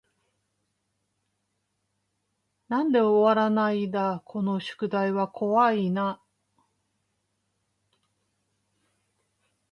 なんで終わらないだこの宿題は怖い y な